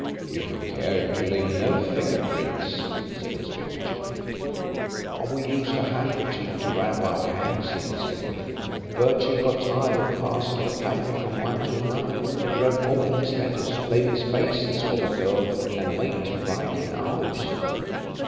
"You took care to leave no finger prints," said Inspector Chippenfield. "We used a handkerchief to wrap our hands in," said Hill. "Birchill got tired of passing the paper from one to another and wrote all his letters, leaving spaces for the girl and me to write in ours.